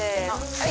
はい。